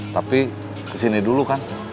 tapi kesini dulu kan